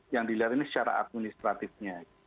yang dilihat ini secara administratifnya